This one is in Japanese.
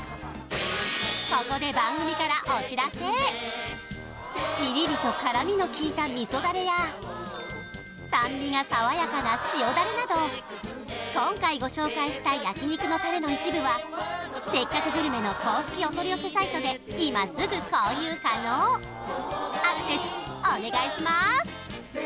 ここで番組からピリリと辛みの利いた味噌ダレや酸味がさわやかな塩だれなど今回ご紹介した焼肉のタレの一部はせっかくグルメの公式お取り寄せサイトで今すぐ購入可能アクセスお願いします